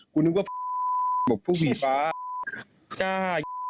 กูนึกว่ามาบอกผู้ผีฟ้าน้องชาวอีสาน